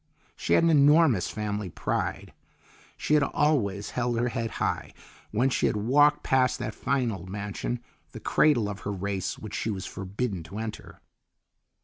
She had an enormous family pride. She had always held her head high when she had walked past that fine old mansion, the cradle of her race, which she was forbidden to enter.